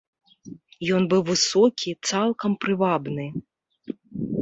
Ён быў высокі, цалкам прывабны.